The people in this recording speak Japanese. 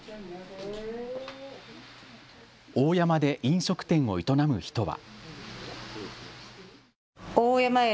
大山で飲食店を営む人は。